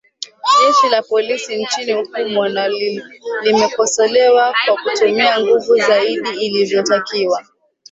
jeshi la polisi nchini humo na limekosolewa kwa kutumia nguvu zaidi ilivyotakiwa